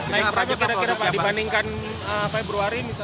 naik berapa kira kira pak dibandingkan februari